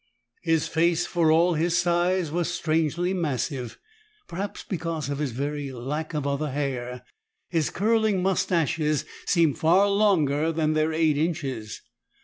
His face, for all his size, was strangely massive. Perhaps because of his very lack of other hair, his curling mustaches seemed far longer than their eight inches.